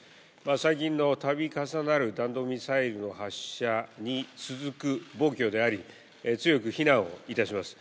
最近の度重なる弾道ミサイルの発射に続く暴挙であり強く非難をいたします。